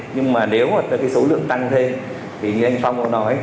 nhưng nếu số lượng tăng thêm như anh phong nói